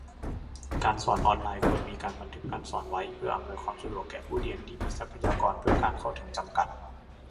การสอนออนไลน์ ควรมีการบันทึกการสอนไว้ เพื่ออำนวยความสะดวกแก่ผู้เรียนที่มีทรัพยากรเพื่อการเข้าถึงจำกัด